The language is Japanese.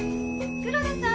黒田さん！